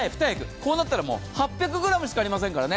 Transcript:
こうなったら、８００ｇしかありませんからね。